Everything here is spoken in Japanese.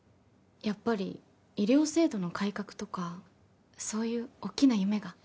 やっぱり医療制度の改革とかそういう大きな夢が？